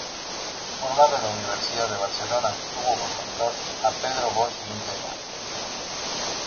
Formado en la Universidad de Barcelona, tuvo por mentor a Pedro Bosch Gimpera.